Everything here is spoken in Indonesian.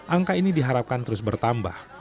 angka ini diharapkan terus bertambah